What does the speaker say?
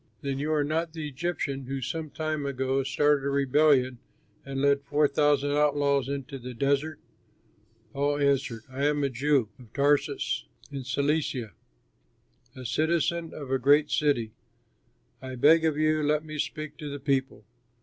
Then you are not the Egyptian who some time ago started a rebellion and led four thousand outlaws into the desert?" Paul answered, "I am a Jew, of Tarsus in Cilicia, a citizen of a great city. I beg of you, let me speak to the people."